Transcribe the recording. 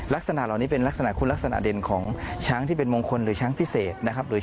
ลักษณะเหล่านี้เป็นลักษณะคุณลักษณะเด่นของช้างที่เป็นมงคลหรือช้างพิเศษนะครับ